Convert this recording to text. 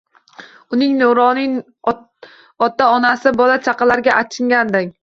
Uning nuroniy ota-onasi, bola-chaqalariga achingandim